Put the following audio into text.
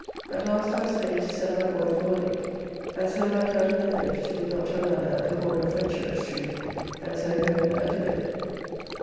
At last I was fain to send my boy for a link, and so light out of the coach till we got to another at the corner of Fenchurch Street, and so home, and to bed.